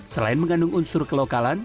selain mengandung unsur kelokalan